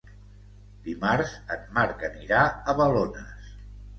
Dimarts en Marc anirà a Balones.